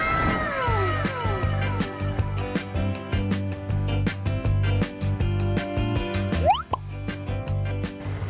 อร่อย